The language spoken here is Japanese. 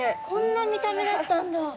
こんな見た目だったんだ！